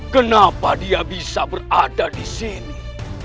kenapa dia bisa berada disini